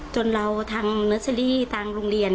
จนเราทางเนอร์เชอรี่ทางโรงเรียน